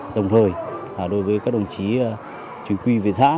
đồng thời đối với các đồng chí chính quy về xã